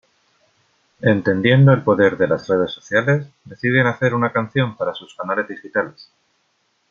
Entendiendo el poder las redes sociales, deciden hacer una canción para sus canales digitales.